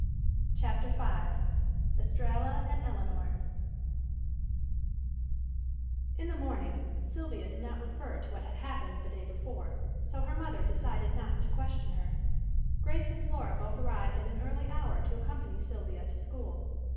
CHAPTER V ESTRALLA AND ELINOR In the morning Sylvia did not refer to what had happened the day before, so her mother decided not to question her. Grace and Flora both arrived at an early hour to accompany Sylvia to school.